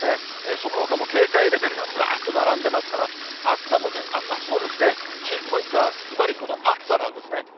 そのほかも警戒レベルが、ずらーっと並んでますから、あすも注意ポイントは、ずばりこの暑さなんですね。